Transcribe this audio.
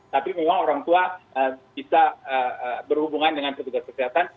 tapi memang orang tua bisa berhubungan dengan petugas kesehatan